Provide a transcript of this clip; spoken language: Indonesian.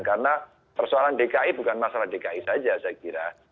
karena persoalan dki bukan masalah dki saja saya kira